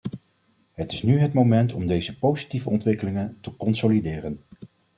Het is nu het moment om deze positieve ontwikkelingen te consolideren.